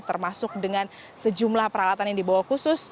termasuk dengan sejumlah peralatan yang dibawa khusus